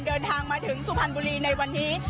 เดินทางมาถึงสุพรรณบุรีในวันนี้